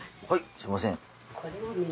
はいすみません。